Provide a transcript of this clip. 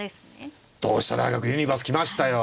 同飛車大学ユニバース来ましたよ。